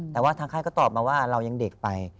แต่ว่าทางค่ายก็ตอบมาว่าเรายังเด็กไป